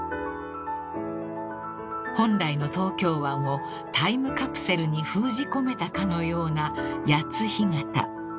［本来の東京湾をタイムカプセルに封じ込めたかのような谷津干潟］